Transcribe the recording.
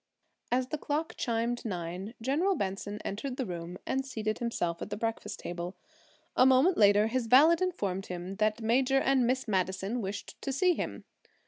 As the clock chimed nine, General Benson entered the room and seated himself at the breakfast table. A moment later his valet informed him that Major and Miss Madison wished to see him.